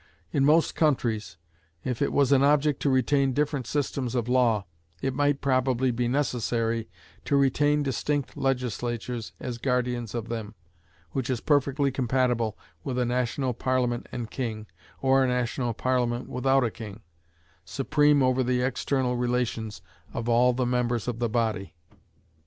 In most countries, if it was an object to retain different systems of law, it might probably be necessary to retain distinct legislatures as guardians of them, which is perfectly compatible with a national Parliament and king, or a national Parliament without a king, supreme over the external relations of all the members of the body.